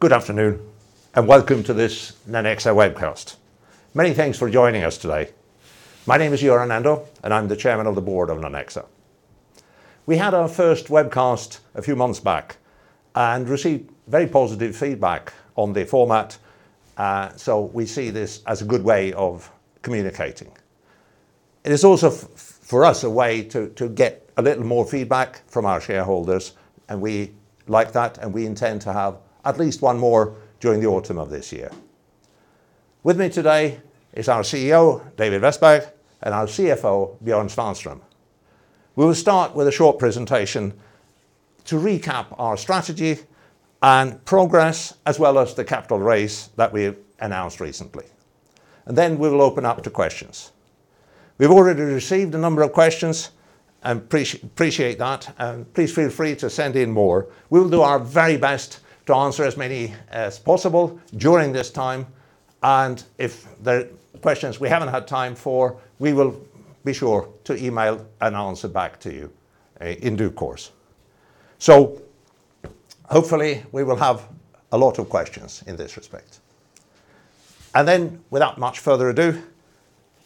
Good afternoon, welcome to this Nanexa webcast. Many thanks for joining us today. My name is Göran Ando, and I'm the Chairman of the Board of Nanexa. We had our first webcast a few months back and received very positive feedback on the format, so we see this as a good way of communicating. It is also for us, a way to get a little more feedback from our shareholders, and we like that, and we intend to have at least one more during the autumn of this year. With me today is our CEO, David Westberg, and our CFO, Björn Svanström. We will start with a short presentation to recap our strategy and progress, as well as the capital raise that we've announced recently, and then we will open up to questions. We've already received a number of questions and appreciate that. Please feel free to send in more. We will do our very best to answer as many as possible during this time. If there are questions we haven't had time for, we will be sure to email an answer back to you in due course. Hopefully, we will have a lot of questions in this respect. Then, without much further ado,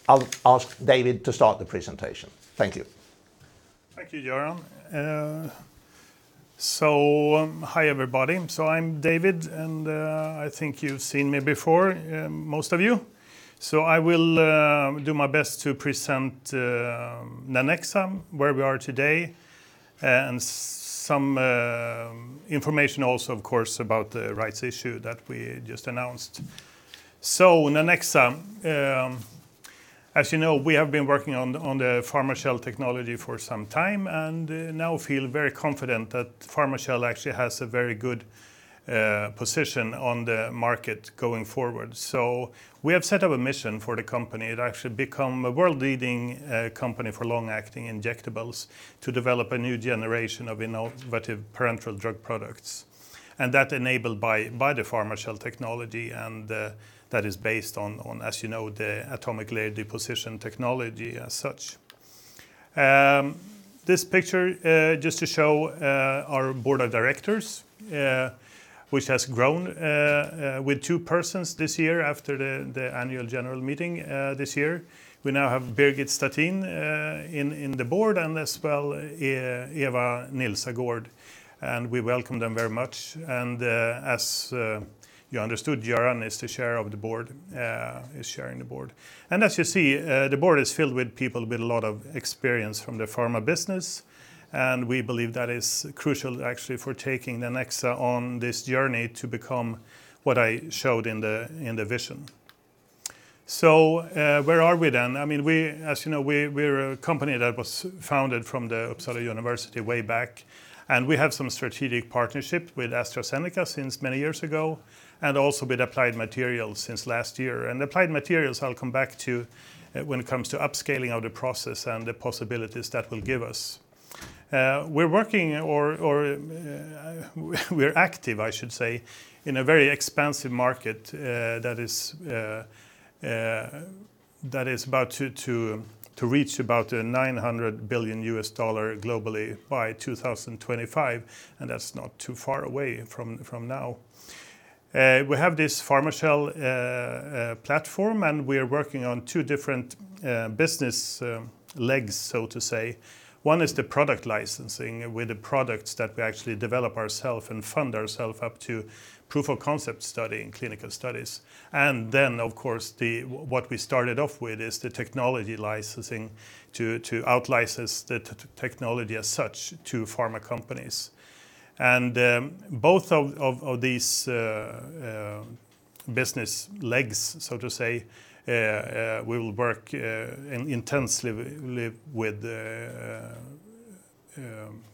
I'll ask David to start the presentation. Thank you. Thank you, Göran. Hi, everybody. I'm David, and I think you've seen me before, most of you. I will do my best to present Nanexa, where we are today, and some information also, of course, about the rights issue that we just announced. Nanexa. As you know, we have been working on the PharmaShell technology for some time and now feel very confident that PharmaShell actually has a very good position on the market going forward. We have set up a mission for the company to actually become a world-leading company for long-acting injectables to develop a new generation of innovative parenteral drug products. That enabled by the PharmaShell technology, and that is based on, as you know, the atomic layer deposition technology as such. This picture, just to show our board of directors, which has grown with two persons this year after the annual general meeting this year. We now have Birgit Stattin in the board as well as Eva Nilsagård. We welcome them very much. As you understood, Göran is the chair of the board, is chairing the board. As you see, the board is filled with people with a lot of experience from the pharma business, and we believe that is crucial, actually, for taking Nanexa on this journey to become what I showed in the vision. Where are we then? As you know, we are a company that was founded from Uppsala University way back, and we have some strategic partnership with AstraZeneca since many years ago and also with Applied Materials since last year. Applied Materials I'll come back to when it comes to upscaling of the process and the possibilities that will give us. We're working, or we're active I should say, in a very expansive market that is about to reach about $900 billion globally by 2025, and that's not too far away from now. We have this PharmaShell platform, and we are working on two different business legs, so to say. One is the product licensing with the products that we actually develop ourself and fund ourself up to proof of concept study in clinical studies. Then, of course, what we started off with is the technology licensing to outlicense the technology as such to pharma companies. Both of these business legs, so to say, we will work intensely with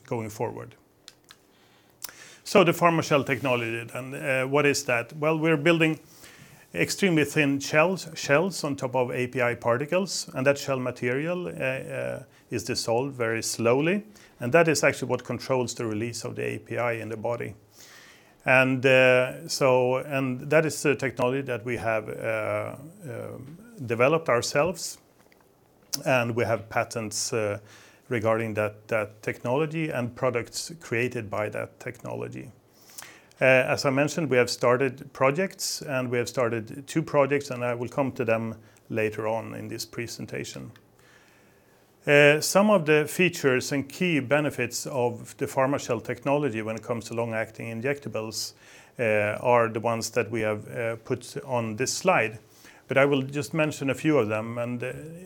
going forward. The PharmaShell technology then. What is that? Well, we're building extremely thin shells on top of API particles, and that shell material is dissolved very slowly. That is actually what controls the release of the API in the body. That is the technology that we have developed ourselves, and we have patents regarding that technology and products created by that technology. As I mentioned, we have started projects, we have started two projects, I will come to them later on in this presentation. Some of the features and key benefits of the PharmaShell technology when it comes to long-acting injectables are the ones that we have put on this slide, I will just mention a few of them.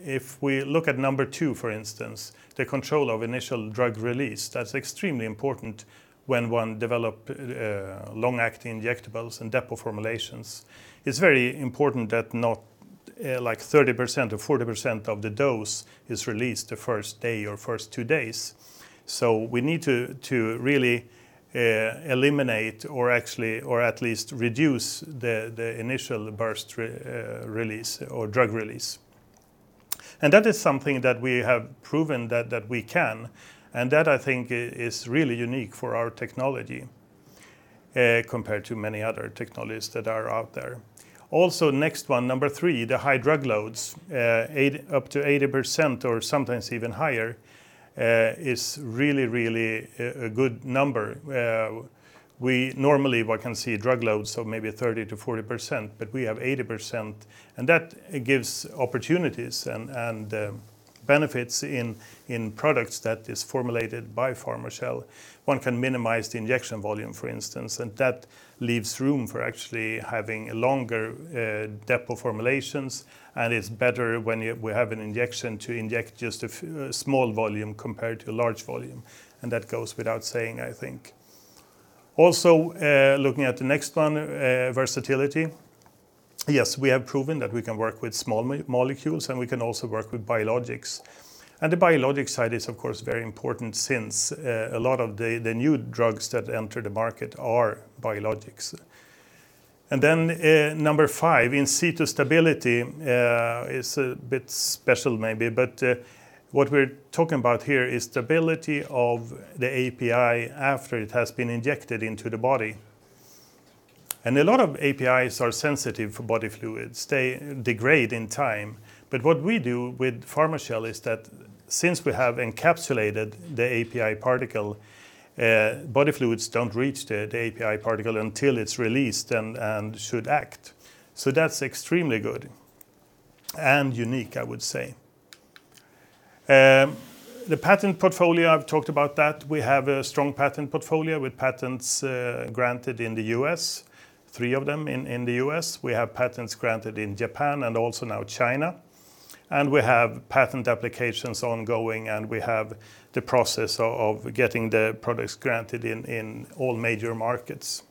If we look at number two, for instance, the control of initial drug release, that's extremely important when one develop long-acting injectables and depot formulations. It's very important that not 30% or 40% of the dose is released the first day or first two days. We need to really eliminate or at least reduce the initial burst release or drug release. That is something that we have proven that we can, and that, I think, is really unique for our technology compared to many other technologies that are out there. Also, next one, number three, the high drug loads, up to 80% or sometimes even higher, is really a good number. We normally can see drug loads of maybe 30%-40%, but we have 80%, and that gives opportunities and benefits in products that are formulated by PharmaShell. One can minimize the injection volume, for instance, and that leaves room for actually having longer depot formulations. It's better when we have an injection to inject just a small volume compared to a large volume, and that goes without saying, I think. Also, looking at the next one, versatility. Yes, we have proven that we can work with small molecules, and we can also work with biologics. The biologics side is, of course, very important since a lot of the new drugs that enter the market are biologics. Number five, in situ stability is a bit special maybe, but what we're talking about here is stability of the API after it has been injected into the body. A lot of APIs are sensitive for body fluids. They degrade in time. What we do with PharmaShell is that since we have encapsulated the API particle, body fluids don't reach the API particle until it's released and should act. That's extremely good and unique, I would say. The patent portfolio, I've talked about that. We have a strong patent portfolio with patents granted in the U.S., three of them in the U.S. We have patents granted in Japan and also now China. We have patent applications ongoing, and we have the process of getting the products granted in all major markets.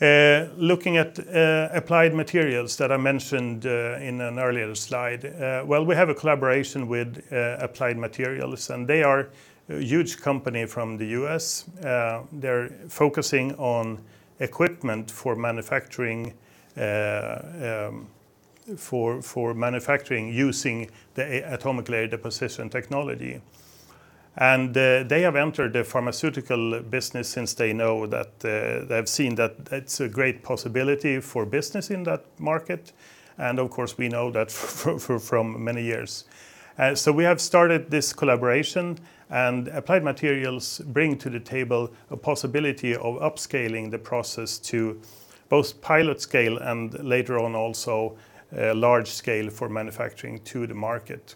Looking at Applied Materials that I mentioned in an earlier slide. We have a collaboration with Applied Materials, and they are a huge company from the U.S. They're focusing on equipment for manufacturing using the atomic layer deposition technology. They have entered the pharmaceutical business since they've seen that it's a great possibility for business in that market, and of course, we know that from many years. We have started this collaboration. Applied Materials bring to the table the possibility of upscaling the process to both pilot scale and later on also large scale for manufacturing to the market.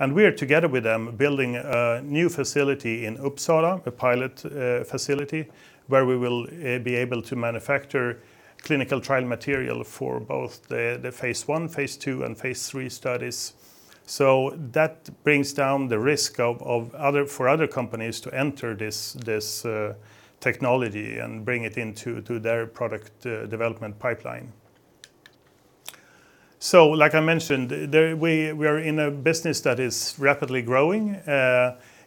We are together with them building a new facility in Uppsala, the pilot facility, where we will be able to manufacture clinical trial material for both the phase I, phase II, and phase III studies. That brings down the risk for other companies to enter this technology and bring it into their product development pipeline. Like I mentioned, we are in a business that is rapidly growing.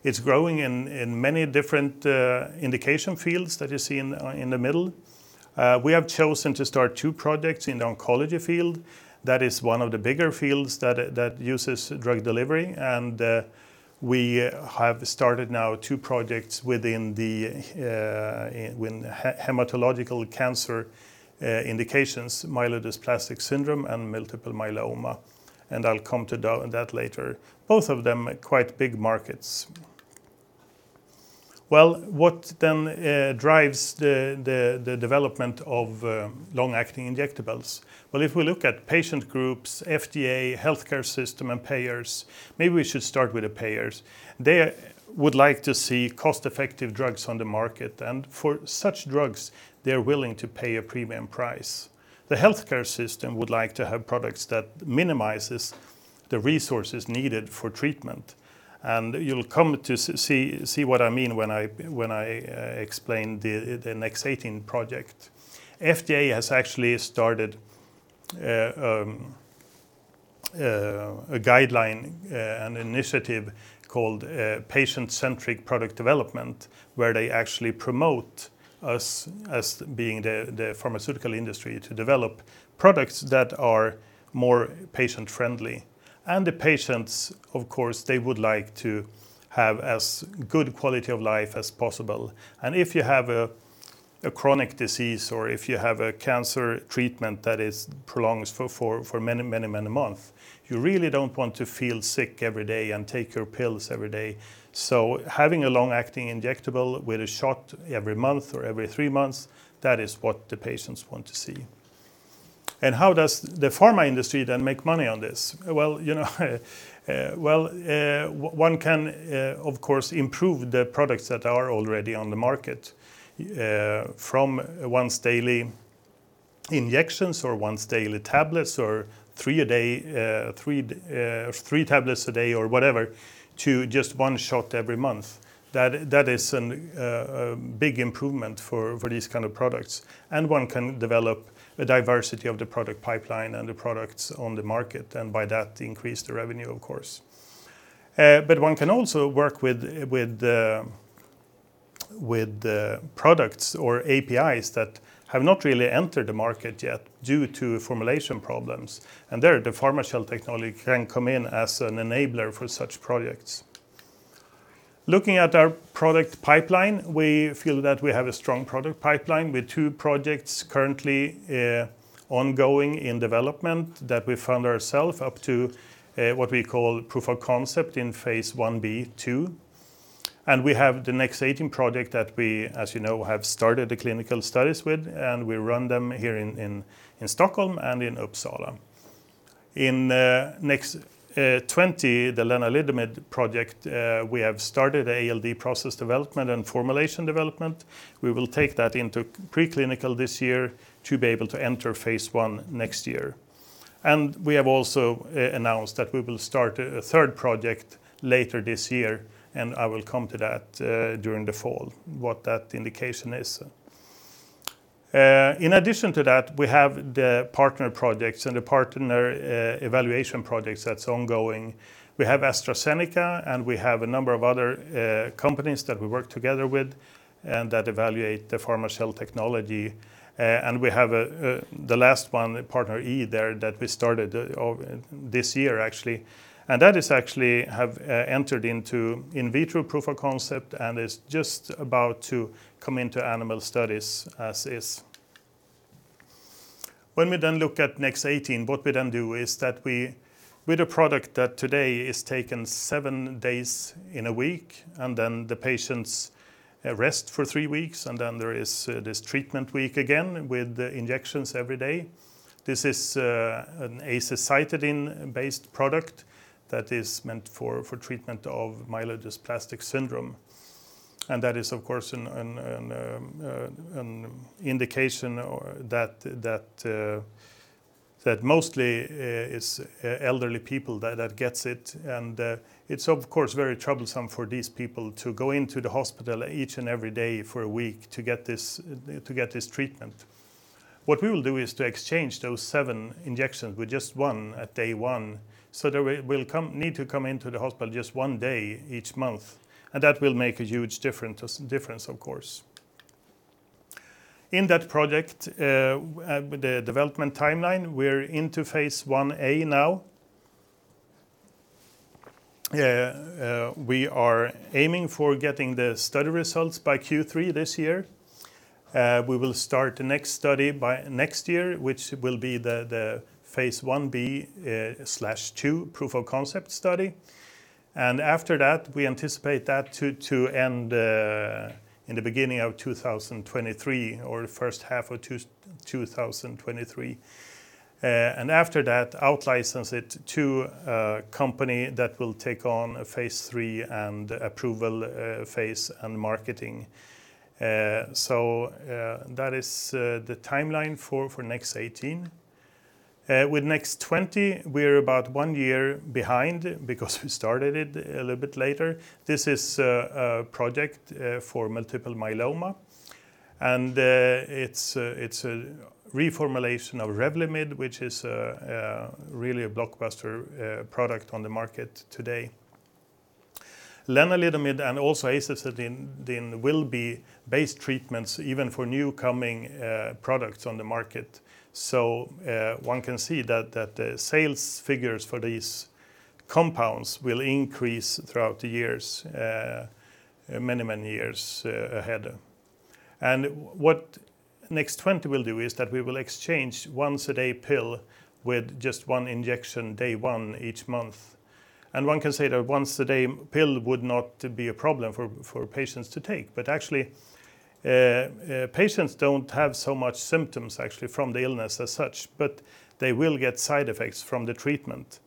It's growing in many different indication fields that you see in the middle. We have chosen to start two projects in the oncology field. That is one of the bigger fields that uses drug delivery. We have started now two projects within the hematological cancer indications, myelodysplastic syndrome and multiple myeloma. I'll come to that later. Both of them are quite big markets. What then drives the development of long-acting injectables? If we look at patient groups, FDA, healthcare system, and payers, maybe we should start with the payers. They would like to see cost-effective drugs on the market. For such drugs, they're willing to pay a premium price. The healthcare system would like to have products that minimize the resources needed for treatment. You'll come to see what I mean when I explain the NEX-18 project. FDA has actually started a guideline, an initiative called patient-centric product development, where they actually promote us as being the pharmaceutical industry to develop products that are more patient-friendly. The patients, of course, they would like to have as good quality of life as possible. If you have a chronic disease or if you have a cancer treatment that is prolonged for many months, you really don't want to feel sick every day and take your pills every day. Having a long-acting injectable with a shot every month or every three months, that is what the patients want to see. How does the pharma industry then make money on this? Well, one can, of course, improve the products that are already on the market from once daily injections or once daily tablets or three tablets a day or whatever, to just one shot every month. That is a big improvement for these kind of products. One can develop the diversity of the product pipeline and the products on the market, and by that increase the revenue, of course. One can also work with the products or APIs that have not really entered the market yet due to formulation problems. There, the PharmaShell technology can come in as an enabler for such projects. Looking at our product pipeline, we feel that we have a strong product pipeline with two projects currently ongoing in development that we found ourselves up to what we call proof of concept in phase I-B/II. We have the NEX-18 project that we, as you know, have started the clinical studies with, and we run them here in Stockholm and in Uppsala. In NEX-20, the lenalidomide project, we have started ALD process development and formulation development. We will take that into pre-clinical this year to be able to enter phase I next year. We have also announced that we will start a third project later this year, and I will come to that during the fall, what that indication is. In addition to that, we have the partner projects and the partner evaluation projects that's ongoing. We have AstraZeneca, and we have a number of other companies that we work together with and that evaluate the PharmaShell technology. We have the last one, partner E there, that we started this year, actually. That has actually entered into in vitro proof of concept and is just about to come into animal studies as is. When we then look at NEX-18, what we then do is that we, with a product that today is taken seven days in a week, and then the patients rest for three weeks, and then there is this treatment week again with the injections every day. This is an azacitidine-based product that is meant for treatment of myelodysplastic syndrome. That is, of course, an indication that mostly is elderly people that gets it. It's, of course, very troublesome for these people to go into the hospital each and every day for a week to get this treatment. What we will do is to exchange those seven injections with just one at day one, so they will need to come into the hospital just one day each month, and that will make a huge difference, of course. In that project, the development timeline, we're into phase I-A now. We are aiming for getting the study results by Q3 this year. We will start the next study by next year, which will be the phase I-B/II proof of concept study. After that, we anticipate that to end in the beginning of 2023 or first half of 2023. After that, out-license it to a company that will take on phase III and approval phase and marketing. That is the timeline for NEX-18. With NEX-20, we're about one year behind because we started it a little bit later. This is a project for multiple myeloma, and it's a reformulation of Revlimid, which is really a blockbuster product on the market today. Lenalidomide and also azacitidine will be base treatments even for new coming products on the market. One can see that the sales figures for these compounds will increase throughout the years, many, many years ahead. What NEX-20 will do is that we will exchange once-a-day pill with just one injection day one each month. One can say that once-a-day pill would not be a problem for patients to take, but actually, patients don't have so much symptoms actually from the illness as such, but they will get side effects from the treatment.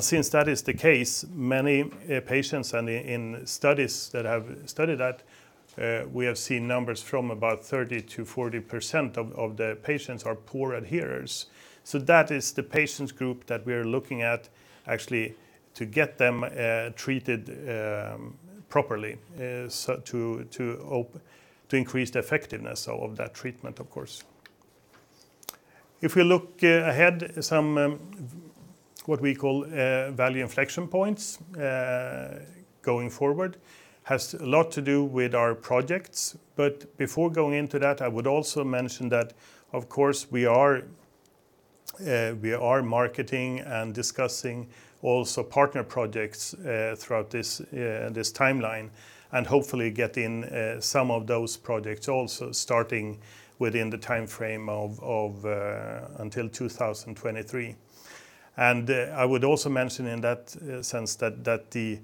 Since that is the case, many patients and in studies that have studied that, we have seen numbers from about 30%-40% of the patients are poor adherers. That is the patients group that we are looking at actually to get them treated properly, to increase the effectiveness of that treatment, of course. If you look ahead, some what we call value inflection points going forward has a lot to do with our projects. Before going into that, I would also mention that, of course, we are marketing and discussing also partner projects throughout this timeline and hopefully get in some of those projects also starting within the timeframe of until 2023. I would also mention in that sense that the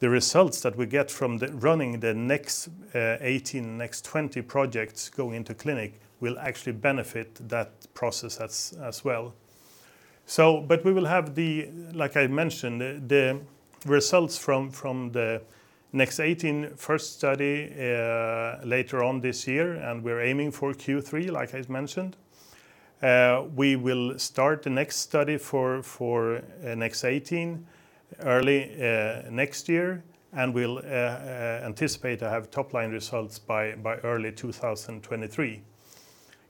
results that we get from running the NEX-18, NEX-20 projects going to clinic will actually benefit that process as well. We will have, like I mentioned, the results from the NEX-18 first study later on this year, and we're aiming for Q3, like I mentioned. We will start the next study for NEX-18 early next year, and we'll anticipate to have top-line results by early 2023.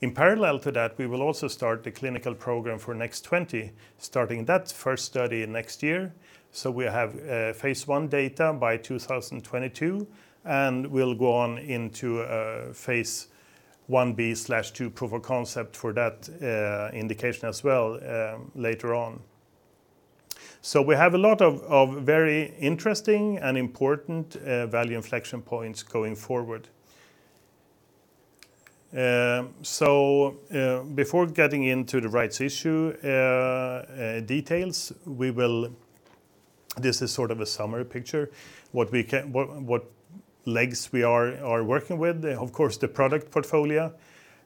In parallel to that, we will also start the clinical program for NEX-20, starting that first study next year. We have phase I data by 2022, and we'll go on into phase I-B/II proof of concept for that indication as well later on. We have a lot of very interesting and important value inflection points going forward. Before getting into the rights issue details, this is sort of a summary picture, what legs we are working with. Of course, the product portfolio,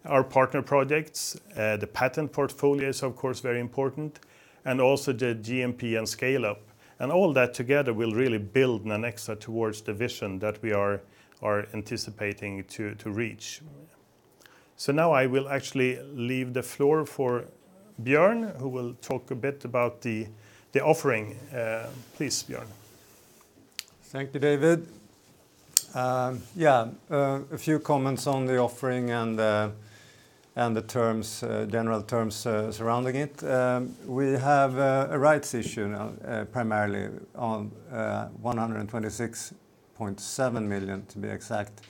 our partner projects, the patent portfolio is, of course, very important, and also the GMP and scale-up. All that together will really build Nanexa towards the vision that we are anticipating to reach. Now I will actually leave the floor for Björn, who will talk a bit about the offering. Please, Björn. Thank you, David. Yeah. A few comments on the offering and the general terms surrounding it. We have a rights issue now, primarily on 126.7 million, to be exact,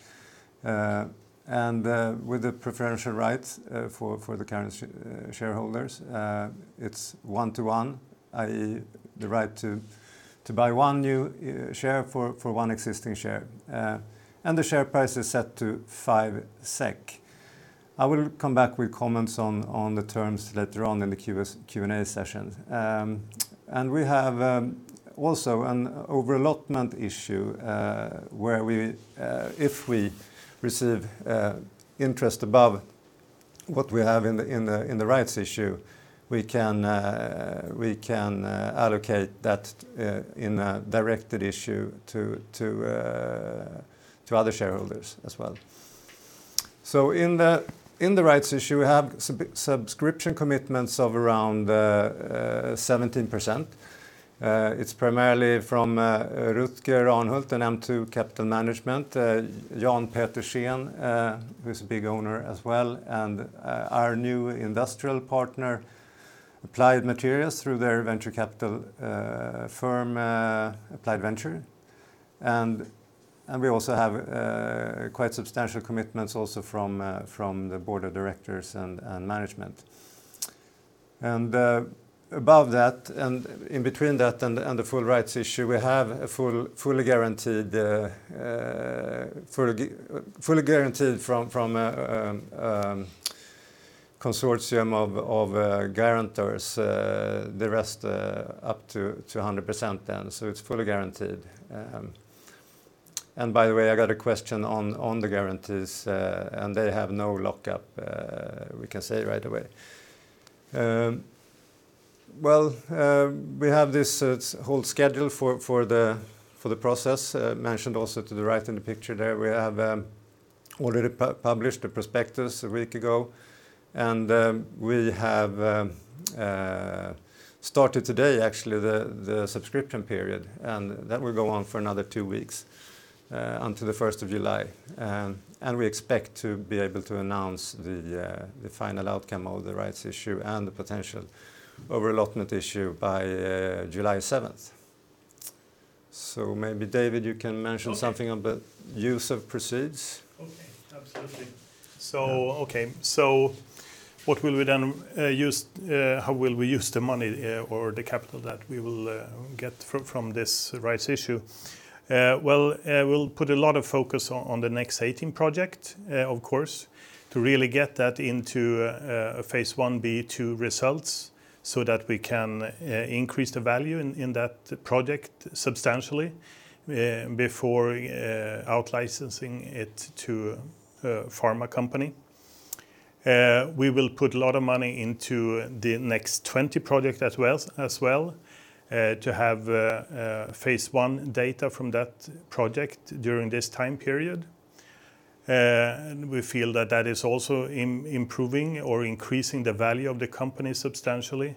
with the preferential rights for the current shareholders. It's one to one, i.e., the right to buy one new share for one existing share, the share price is set to 5 SEK. I will come back with comments on the terms later on in the Q&A session. We have also an overallotment issue, where if we receive interest above what we have in the rights issue, we can allocate that in a directed issue to other shareholders as well. In the rights issue, we have subscription commitments of around 17%. It's primarily from Rutger Arnhult and M2 Capital Management, Jan Petersen, who's a big owner as well, and our new industrial partner, Applied Materials, through their venture capital firm, Applied Ventures. We also have quite substantial commitments also from the board of directors and management. Above that, and in between that and the full rights issue, we have fully guaranteed from a consortium of guarantors the rest up to 100% then. It's fully guaranteed. By the way, I got a question on the guarantors, and they have no lockup we can say right away. Well, we have this whole schedule for the process, mentioned also to the right in the picture there. We have already published the prospectus a week ago, and we have started today, actually, the subscription period. That will go on for another two weeks, until the 1st of July. We expect to be able to announce the final outcome of the rights issue and the potential overallotment issue by July 7th. Maybe, David, you can mention something on the use of proceeds. Okay. Absolutely. Okay. How will we use the money or the capital that we will get from this rights issue? Well, we'll put a lot of focus on the NEX-18 project, of course, to really get that into a phase I-B/II results so that we can increase the value in that project substantially before out-licensing it to a pharma company. We will put a lot of money into the NEX-20 project as well, to have phase I data from that project during this time period. We feel that that is also improving or increasing the value of the company substantially.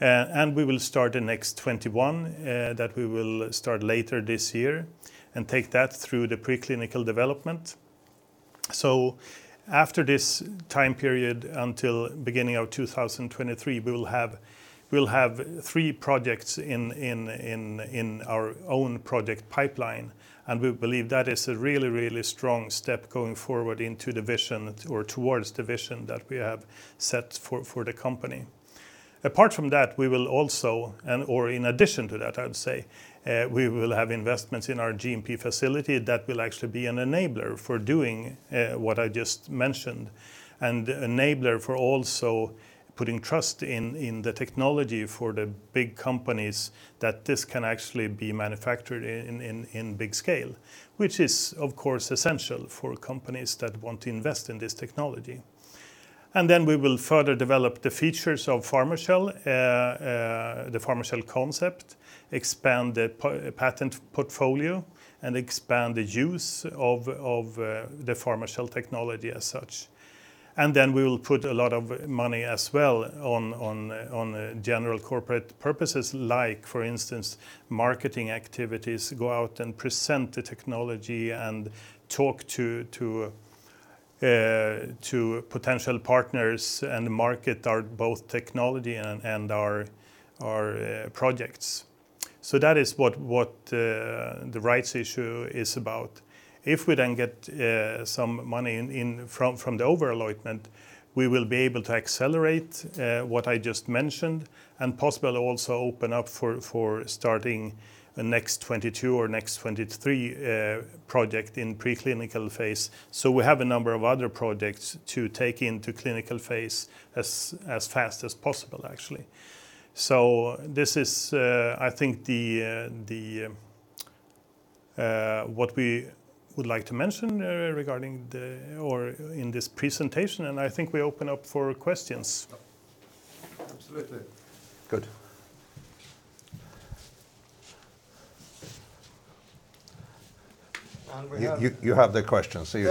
We will start the NEX-21, that we will start later this year and take that through the preclinical development. After this time period, until beginning of 2023, we'll have three projects in our own project pipeline, and we believe that is a really, really strong step going forward into the vision or towards the vision that we have set for the company. Apart from that, we will also, and or in addition to that, I would say, we will have investments in our GMP facility that will actually be an enabler for doing what I just mentioned and enabler for also putting trust in the technology for the big companies that this can actually be manufactured in big scale, which is, of course, essential for companies that want to invest in this technology. Then we will further develop the features of PharmaShell, the PharmaShell concept, expand the patent portfolio, and expand the use of the PharmaShell technology as such. We will put a lot of money as well on general corporate purposes, like, for instance, marketing activities, go out and present the technology and talk to potential partners and market our both technology and our projects. That is what the rights issue is about. If we then get some money from the over-allotment, we will be able to accelerate what I just mentioned, and possibly also open up for starting the NEX-22 or NEX-23 project in preclinical phase. We have a number of other projects to take into clinical phase as fast as possible, actually. This is, I think, what we would like to mention in this presentation, and I think we open up for questions. Absolutely. Good. And we have- You have the questions. We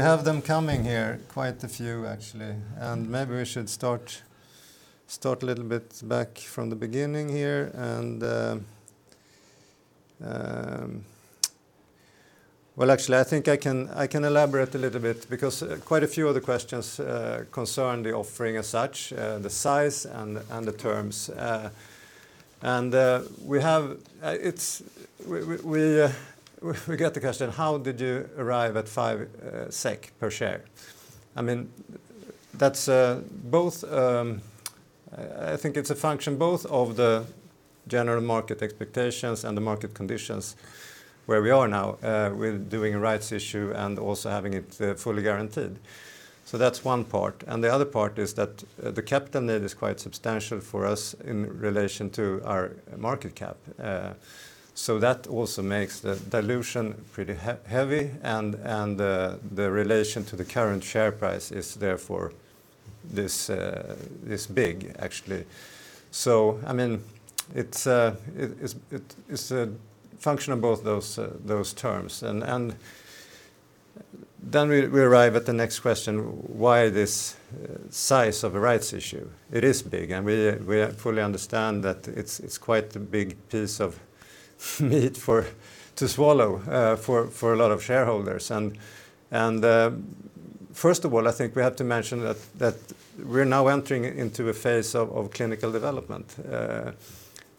have them coming here, quite a few actually. Maybe we should start a little bit back from the beginning here. Well, actually, I think I can elaborate a little bit because quite a few of the questions concern the offering as such, the size, and the terms. We got the question, how did you arrive at 5 SEK per share? I think it's a function both of the general market expectations and the market conditions where we are now, with doing rights issue and also having it fully guaranteed. That's one part, and the other part is that the capital need is quite substantial for us in relation to our market cap. That also makes the dilution pretty heavy and the relation to the current share price is therefore this big, actually. It's a function of both those terms. Then we arrive at the next question, why this size of a rights issue? It is big. We fully understand that it's quite a big piece of meat to swallow for a lot of shareholders. First of all, I think we have to mention that we're now entering into a phase of clinical development,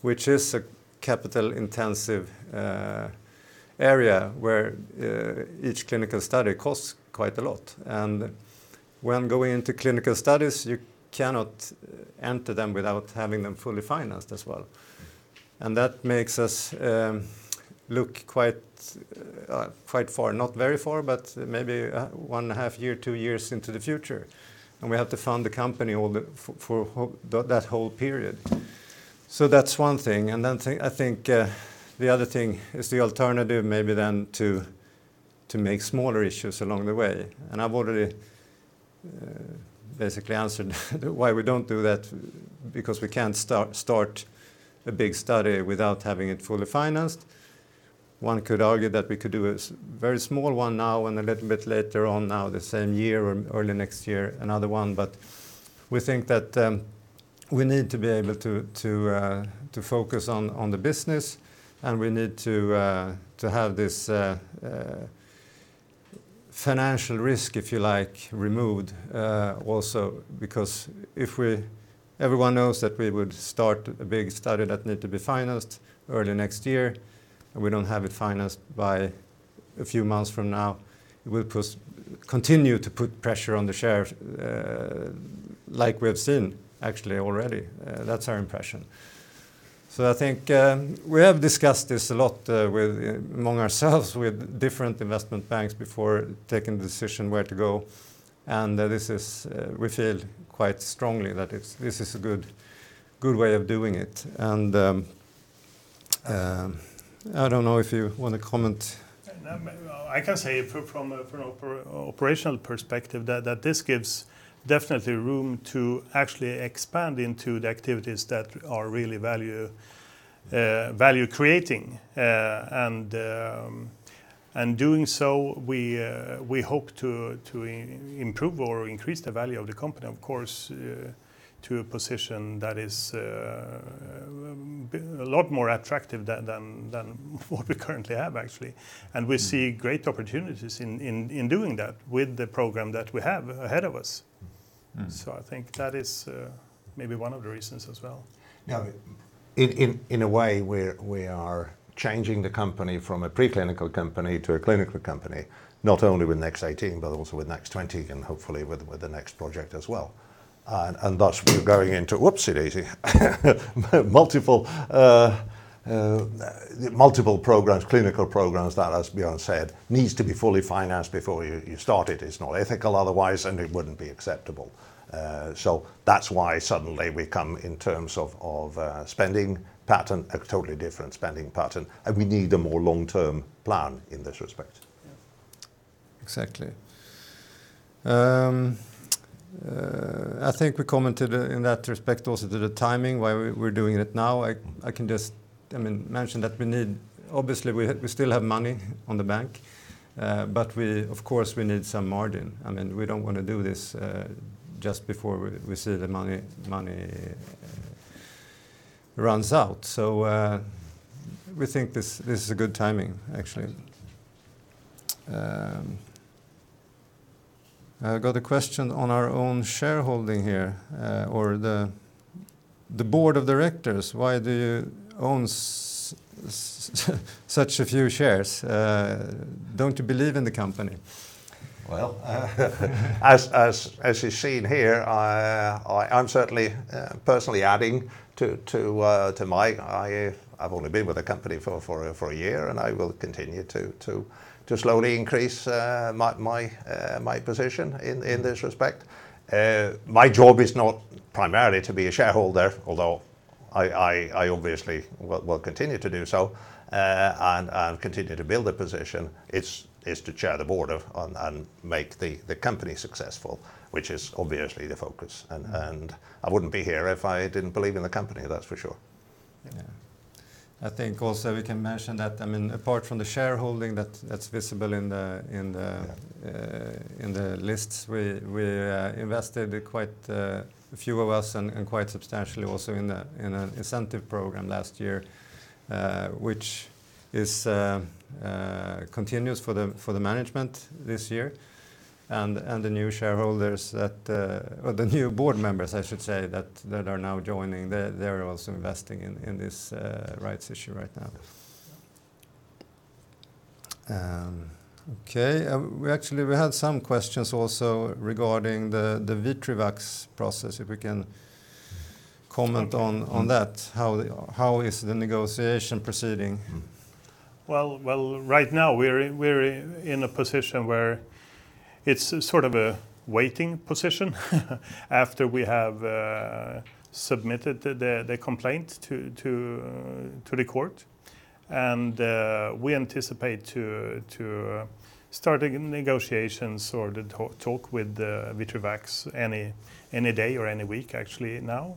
which is a capital-intensive area where each clinical study costs quite a lot. When going into clinical studies, you cannot enter them without having them fully financed as well. That makes us look quite far, not very far, but maybe one and a half year, two years into the future, and we have to fund the company for that whole period. That's one thing. Then I think the other thing is the alternative maybe then to make smaller issues along the way. I've already basically answered why we don't do that, because we can't start a big study without having it fully financed. One could argue that we could do a very small one now and a little bit later on now the same year or early next year, another one. We think that we need to be able to focus on the business, and we need to have this financial risk, if you like, removed, also. If everyone knows that we would start a big study that needs to be financed early next year, and we don't have it financed by a few months from now, it will continue to put pressure on the shares, like we've seen actually already. That's our impression. I think we have discussed this a lot among ourselves with different investment banks before taking the decision where to go, and we feel quite strongly that this is a good way of doing it. I don't know if you want to comment. I can say from an operational perspective that this gives definitely room to actually expand into the activities that are really value creating. Doing so, we hope to improve or increase the value of the company, of course, to a position that is a lot more attractive than what we currently have actually. We see great opportunities in doing that with the program that we have ahead of us. I think that is maybe one of the reasons as well. Yeah. In a way, we are changing the company from a preclinical company to a clinical company, not only with NEX-18, but also with NEX-20 and hopefully with the next project as well. Thus we're going into, oopsie daisy, multiple clinical programs that, as Björn said, needs to be fully financed before you start it. It's not ethical otherwise, and it wouldn't be acceptable. That's why suddenly we come in terms of a totally different spending pattern, and we need a more long-term plan in this respect. Exactly. I think we commented in that respect also to the timing, why we're doing it now. I can just mention that obviously, we still have money in the bank, but of course, we need some margin, and we don't want to do this just before we see the money runs out. We think this is a good timing, actually. I got a question on our own shareholding here, or the board of directors. Why do you own such a few shares? Don't you believe in the company? Well, as you've seen here, I've only been with the company for one year. I will continue to slowly increase my position in this respect. My job is not primarily to be a shareholder, although I obviously will continue to do so and continue to build a position. It's to chair the board and make the company successful, which is obviously the focus. I wouldn't be here if I didn't believe in the company, that's for sure. Yeah. I think also we can mention that, apart from the shareholding that's visible in the lists, we invested, a few of us, and quite substantially also in an incentive program last year, which continues for the management this year. The new shareholders, or the new board members I should say, that are now joining, they're also investing in this rights issue right now. Okay. We had some questions also regarding the VitriVax process, if we can comment on that. How is the negotiation proceeding? Well, right now we're in a position where it's sort of a waiting position after we have submitted the complaint to the court. We anticipate to starting negotiations or to talk with VitriVax any day or any week actually now.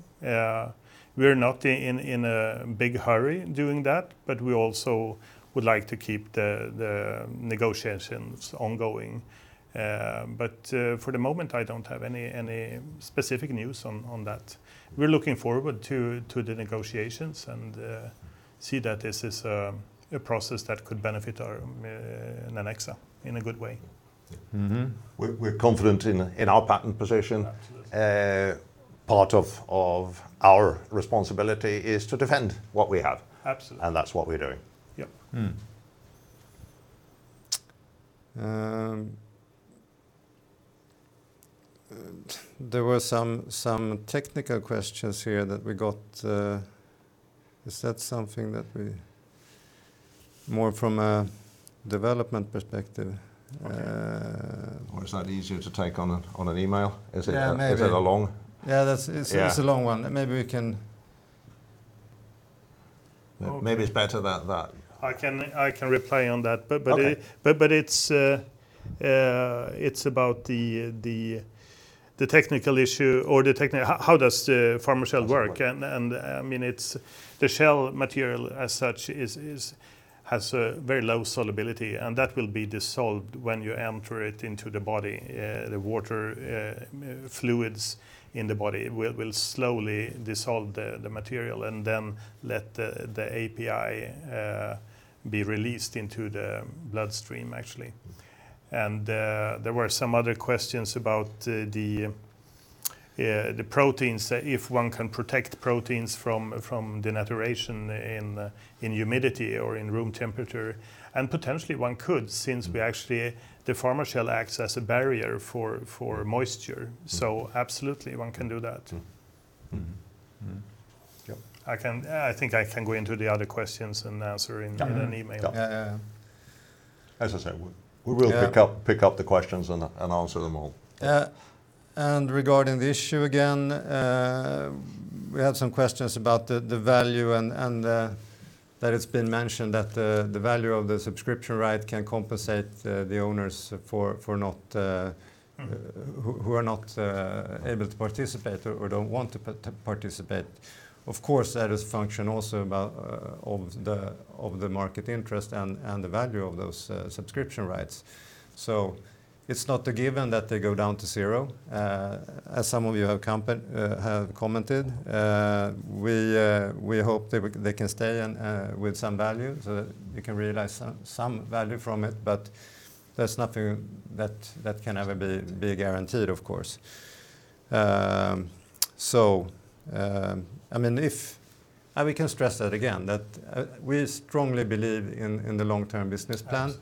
We're not in a big hurry doing that, but we also would like to keep the negotiations ongoing. For the moment, I don't have any specific news on that. We're looking forward to the negotiations and see that this is a process that could benefit Nanexa in a good way. We're confident in our patent position. Absolutely. Part of our responsibility is to defend what we have. Absolutely. That's what we're doing. Yep. There were some technical questions here that we got. Is that something that we more from a development perspective? Okay. Or is that easier to take on an email? Yeah, maybe. A long- Yeah, it's a long one. Maybe it's better that- I can reply on that. Okay. It's about the technical issue or how does the PharmaShell work. The shell material as such, has a very low solubility, and that will be dissolved when you enter it into the body. The water, fluids in the body will slowly dissolve the material and then let the API be released into the bloodstream, actually. There were some other questions about the proteins, if one can protect proteins from denaturation in humidity or in room temperature. Potentially one could, since the PharmaShell acts as a barrier for moisture. Absolutely, one can do that. Mm. Yep. I think I can go into the other questions and answer in an email. Yeah. As I say, we will pick up the questions and answer them all. Regarding the issue again, we had some questions about the value and that it's been mentioned that the value of the subscription right can compensate the owners who are not able to participate or don't want to participate. Of course, that is function also of the market interest and the value of those subscription rights. It's not a given that they go down to zero, as some of you have commented. We hope they can stay with some value, so that we can realize some value from it. That's nothing that can ever be guaranteed, of course. We can stress that again, that we strongly believe in the long-term business plan.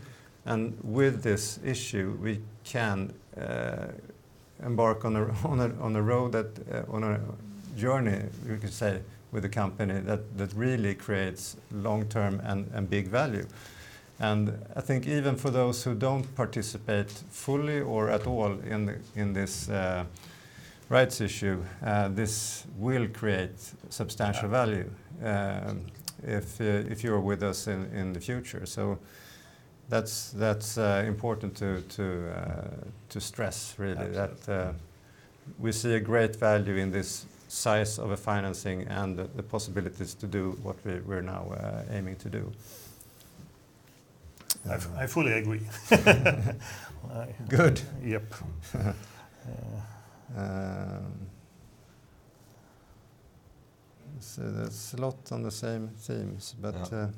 Absolutely. With this issue, we can embark on a road, on a journey, we could say, with the company that really creates long-term and big value. I think even for those who don't participate fully or at all in this rights issue, this will create substantial value if you're with us in the future. That's important to stress really. That we see a great value in this size of a financing and the possibilities to do what we're now aiming to do. I fully agree. Good. Yep. There's a lot on the same themes. Any other? Nothing new as. Oh,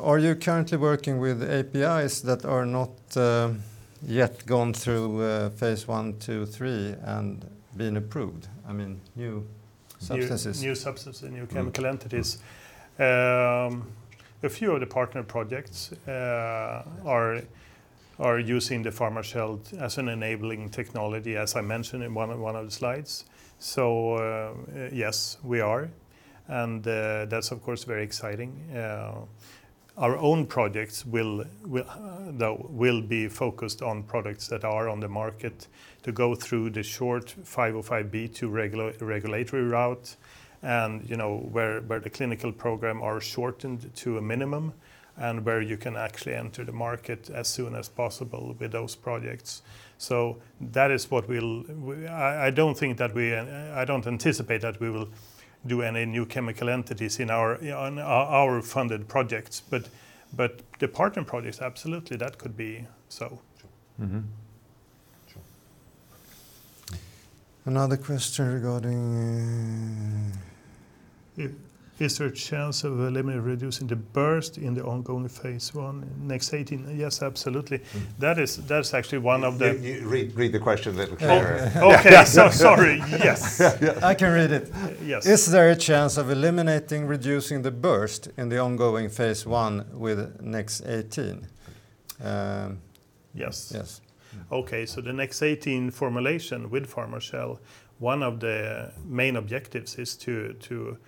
are you currently working with APIs that are not yet gone through phase I, II, III, and been approved? I mean, new substances. New substances and new chemical entities. A few of the partner projects are using the PharmaShell as an enabling technology, as I mentioned in one of the slides. yes, we are, and that's of course, very exciting. Our own projects will be focused on products that are on the market to go through the short 505(b)(2) regulatory route, where the clinical program are shortened to a minimum, where you can actually enter the market as soon as possible with those projects. I don't anticipate that we will do any new chemical entities on our funded projects. The partner projects absolutely, that could be so. Sure. Another question regarding. Is there a chance of eliminating, reducing the burst in the ongoing phase I in NEX-18? Yes, absolutely. Read the question a little clearer. Okay. Sorry. Yes. I can read it. Yes. Is there a chance of eliminating, reducing the burst in the ongoing phase I with NEX-18? Yes. Yes. Okay. The NEX-18 formulation with PharmaShell, one of the main objectives is to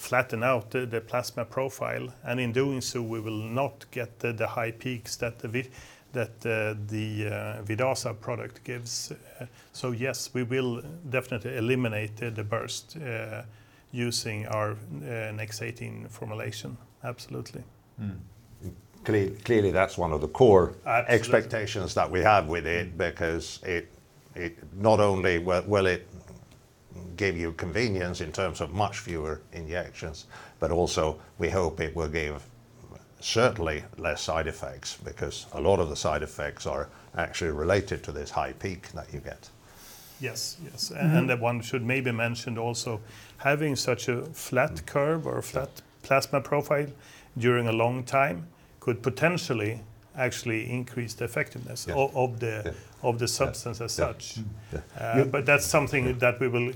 flatten out the plasma profile. In doing so, we will not get the high peaks that the Vidaza product gives. Yes, we will definitely eliminate the burst, using our NEX-18 formulation. Absolutely. Not only will it give you convenience in terms of much fewer injections, but also we hope it will give certainly less side effects, because a lot of the side effects are actually related to this high peak that you get. Yes. That one should maybe mention also, having such a flat curve or flat plasma profile during a long time could potentially actually increase the effectiveness. Yes. Of the substance as such. Yeah. That's something that we will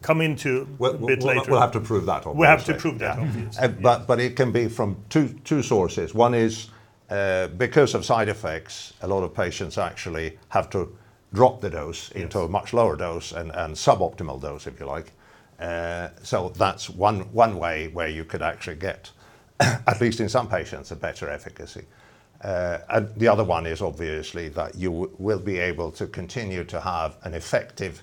come into a bit later. We'll have to prove that obviously. We have to prove that obviously. Yeah. It can be from two sources. One is, because of side effects, a lot of patients actually have to drop the dose into a much lower dose, and suboptimal dose, if you like. That's one way where you could actually get, at least in some patients, a better efficacy. The other one is obviously that you will be able to continue to have an effective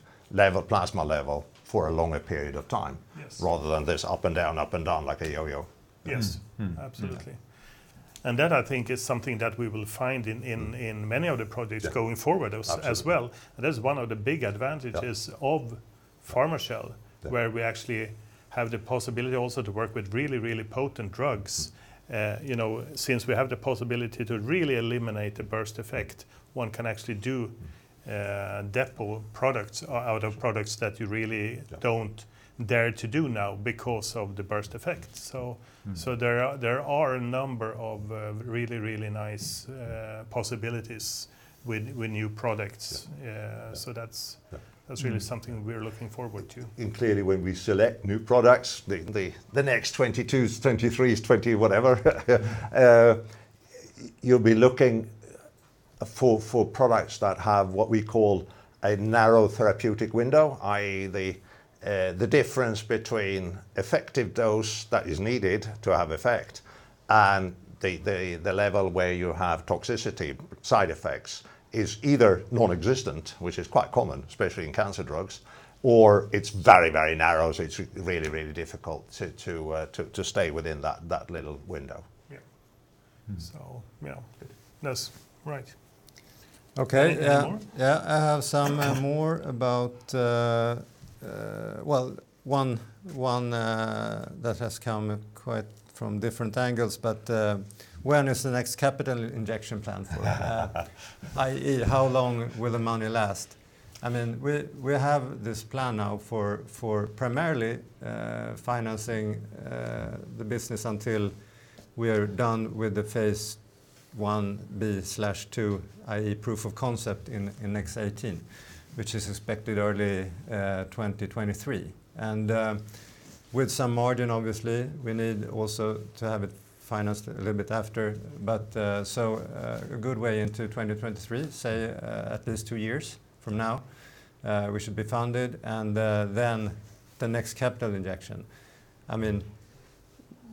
plasma level for a longer period of time. Yes. Rather than this up and down, up and down like a yo-yo. Yes. Absolutely. That I think is something that we will find in many of the projects going forward as well. Absolutely. That is one of the big advantages of PharmaShell, where we actually have the possibility also to work with really, really potent drugs. Since we have the possibility to really eliminate the burst effect, one can actually do depot products out of products that you really don't dare to do now because of the burst effect. There are a number of really, really nice possibilities with new products. Yeah. That's really something we are looking forward to. Clearly when we select new products, the NEX-22s, 23s, 20 whatever, you'll be looking for products that have what we call a narrow therapeutic window, i.e., the difference between effective dose that is needed to have effect, and the level where you have toxicity, side effects is either non-existent, which is quite common, especially in cancer drugs, or it's very, very narrow. It's really, really difficult to stay within that little window. Yeah. That's right. Okay. Any more? Yeah. I have some more about Well, one that has come quite from different angles, when is the next capital injection planned for? I.e., how long will the money last? We have this plan now for primarily financing the business until we are done with the phase I-B/II, i.e., proof of concept in NEX-18, which is expected early 2023. With some margin, obviously, we need also to have it financed a little bit after. A good way into 2023, say, at least two years from now, we should be funded. The next capital injection.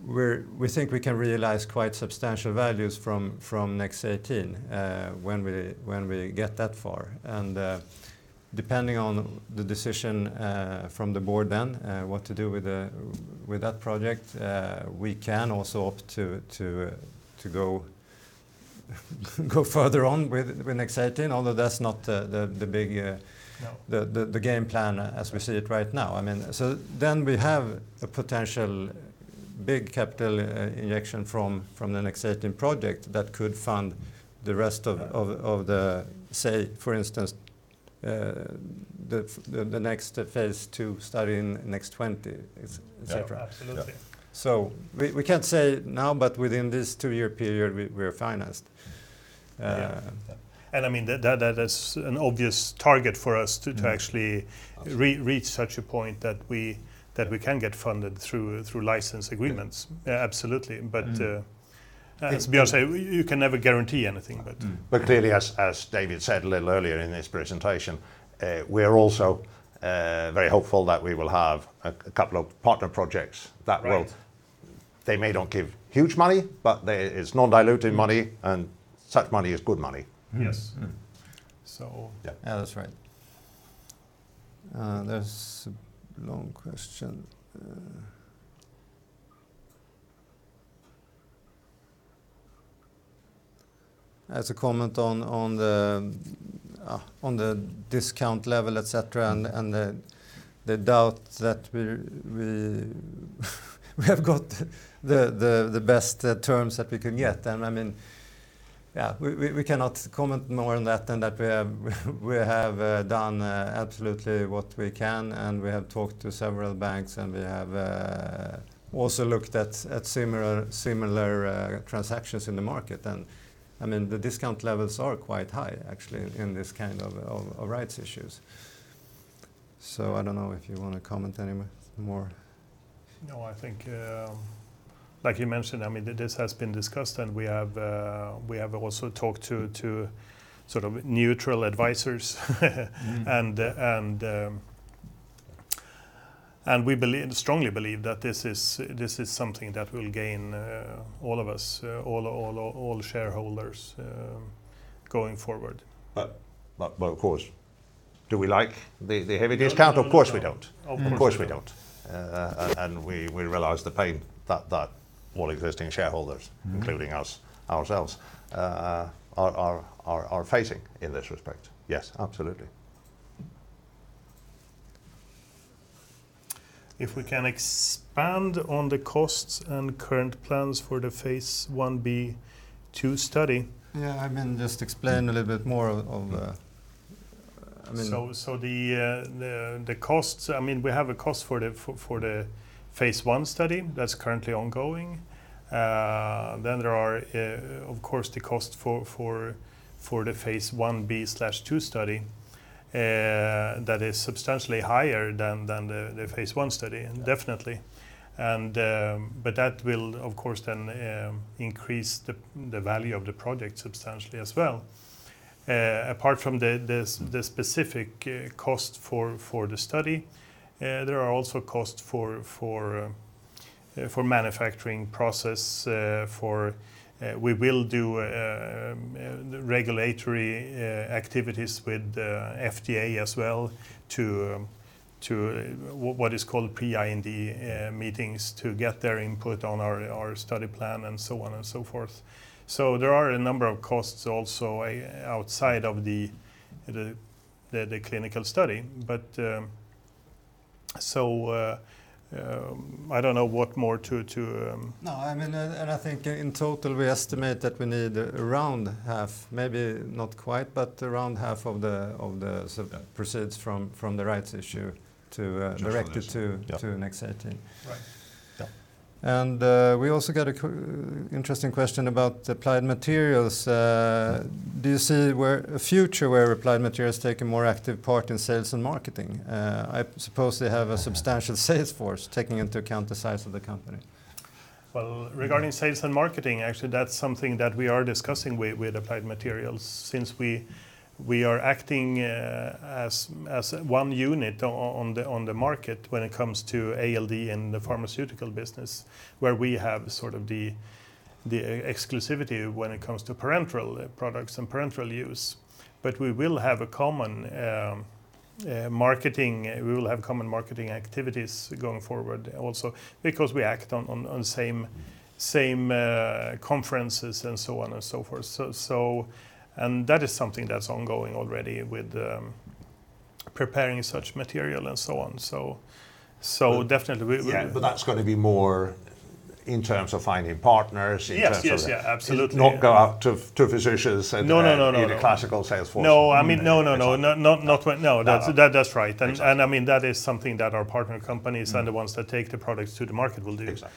We think we can realize quite substantial values from NEX-18, when we get that far. Depending on the decision from the board then, what to do with that project, we can also opt to go Go further on with NEX-18, although that's not the big game plan as we see it right now. We have a potential big capital injection from the NEX-18 project that could fund the rest of the, say, for instance, the next phase II study in NEX-20, et cetera. Absolutely. We can't say now, but within this two year period, we are financed. Yeah. That's an obvious target for us to actually reach such a point that we can get funded through license agreements. Absolutely. To be honest, you can never guarantee anything. Clearly, as David said a little earlier in his presentation, we are also very hopeful that we will have a couple of partner projects that will. They may not give huge money, but it's non-diluted money, and such money is good money. Yes. Yeah. That's right. There's a long question. As a comment on the discount level, et cetera, and the doubt that we have got the best terms that we can get, and we cannot comment more on that than that we have done absolutely what we can, and we have talked to several banks, and we have also looked at similar transactions in the market. The discount levels are quite high, actually, in this kind of rights issues. I don't know if you want to comment any more. No, I think, like you mentioned, this has been discussed, and we have also talked to neutral advisors. We strongly believe that this is something that will gain all of us, all shareholders, going forward. Of course, do we like the heavy discount? Of course we don't. We realize the pain that all existing shareholders, including us, ourselves, are facing in this respect. Yes, absolutely. If we can expand on the costs and current plans for the phase I-B/II study. The costs, we have a cost for the phase I study that's currently ongoing. There are, of course, the cost for the phase I-B/II study. That is substantially higher than the phase I study, definitely. That will, of course, then increase the value of the project substantially as well. Apart from the specific cost for the study, there are also costs for manufacturing process. We will do regulatory activities with FDA as well, what is called Pre-IND meetings, to get their input on our study plan and so on and so forth. There are a number of costs also outside of the clinical study. I don't know what more. No, I think in total, we estimate that we need around half, maybe not quite, but around half of the proceeds from the rights issue directly to NEX-18. Right. Yeah. We also got an interesting question about the Applied Materials. Do you see a future where Applied Materials take a more active part in sales and marketing? I suppose they have a substantial sales force taking into account the size of the company. Regarding sales and marketing, actually, that's something that we are discussing with Applied Materials since we are acting as one unit on the market when it comes to ALD in the pharmaceutical business, where we have sort of the exclusivity when it comes to parenteral products and parenteral use. We will have a common marketing activities going forward also because we act on same conferences and so on and so forth. That is something that's ongoing already with preparing such material and so on. Definitely, that's going to be more in terms of finding partners. Yes. Absolutely Not go out to physicians [crostalk] I need a classical sales force. No. That's right. That is something that our partner companies are the ones that take the products to the market will do. Exactly.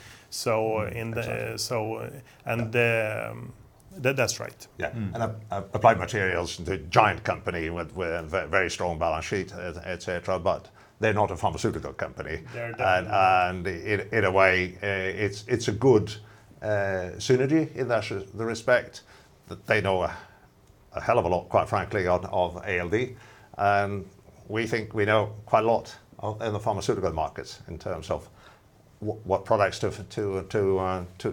That's right. Applied Materials is a giant company with a very strong balance sheet, et cetera, but they're not a pharmaceutical company. They're not. In a way, it's a good synergy in that respect. They know a hell of a lot, quite frankly, of ALD. We think we know quite a lot in the pharmaceutical markets in terms of what products to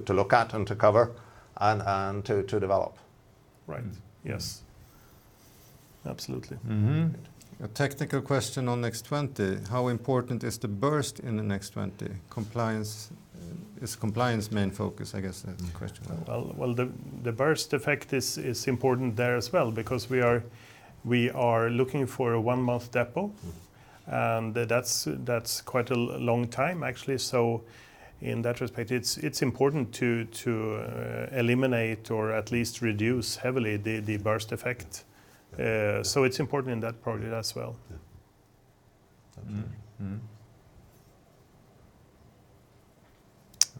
look at and to cover and to develop. Right. Yes. Absolutely. A technical question on NEX-20. How important is the burst in the NEX-20? Is compliance main focus, I guess that's the question. The burst effect is important there as well because we are looking for a one-month depot. That's quite a long time, actually, so in that respect, it's important to eliminate or at least reduce heavily the burst release. It's important in that project as well.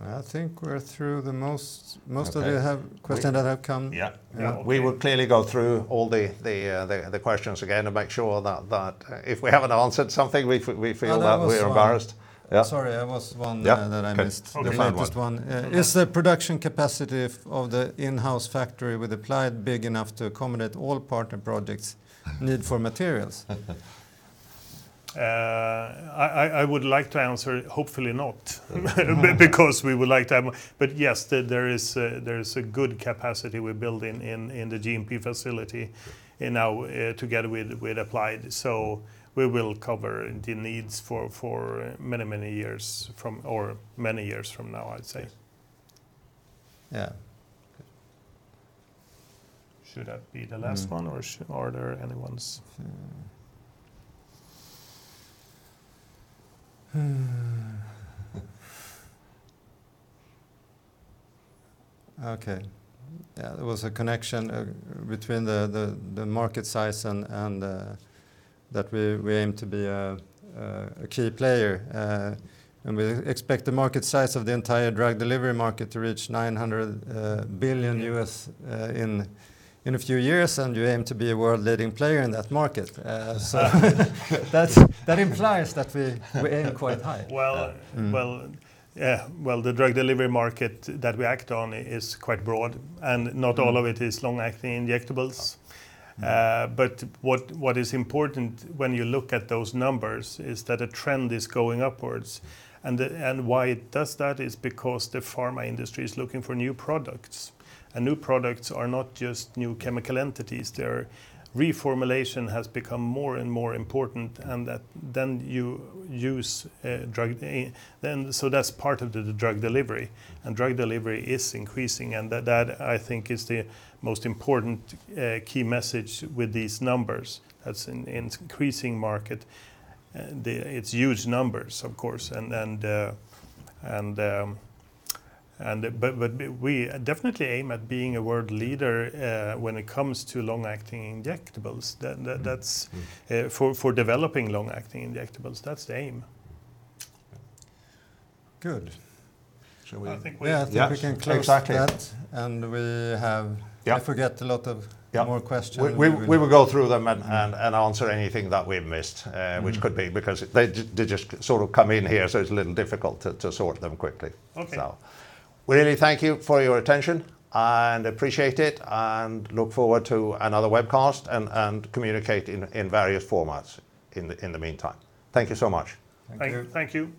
I think we're through most of the questions that have come. Yeah. We will clearly go through all the questions again and make sure that if we haven't answered something, we feel that we are embarrassed. There was one. Yeah. Sorry, there was one that I missed. Yeah. Okay. We'll find one. The latest one. Is the production capacity of the in-house factory with Applied big enough to accommodate all partner projects' need for materials? I would like to answer, hopefully not, because we would like to have. Yes, there is a good capacity we're building in the GMP facility together with Applied. We will cover the needs for many years from now, I'd say. Yeah. Should that be the last one or are there any ones? Okay. Yeah, there was a connection between the market size and that we aim to be a key player. We expect the market size of the entire drug delivery market to reach $900 billion in a few years, and you aim to be a world leading player in that market. That implies that we aim quite high. The drug delivery market that we act on is quite broad, not all of it is long-acting injectables. What is important when you look at those numbers is that a trend is going upward. Why it does that is because the pharma industry is looking for new products, new products are not just new chemical entities. Reformulation has become more and more important, so that's part of the drug delivery. Drug delivery is increasing, that I think is the most important key message with these numbers, that it's an increasing market. It's huge numbers, of course. We definitely aim at being a world leader when it comes to long-acting injectables. For developing long-acting injectables, that's the aim. Good. Shall we? Yeah, I think we can close that. Exactly. And we have- Yeah. I forget a lot of more question. We will go through them and answer anything that we missed, which could be because they just sort of come in here, so it's a little difficult to sort them quickly. Okay. Really, thank you for your attention and appreciate it, and look forward to another webcast, and communicate in various formats in the meantime. Thank you so much. Thank you. Thank you.